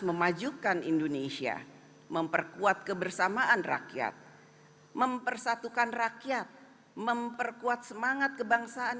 memajukan indonesia memperkuat kebersamaan rakyat mempersatukan rakyat memperkuat semangat kebangsaan